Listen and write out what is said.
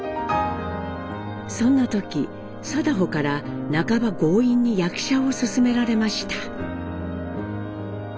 そんな時禎穗から半ば強引に役者を勧められました。